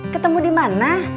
ketemu di mana